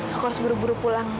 aku harus buru buru pulang